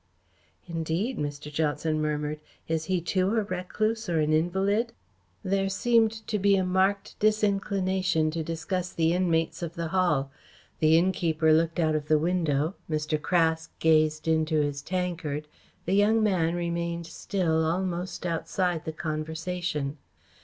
"Indeed," Mr. Johnson murmured. "Is he too a recluse or an invalid?" There seemed to be a marked disinclination to discuss the inmates of the Hall. The innkeeper looked out of the window, Mr. Craske gazed into his tankard, the young man remained still almost outside the conversation.